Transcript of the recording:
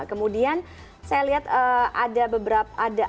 kemudian saya lihat ada beberapa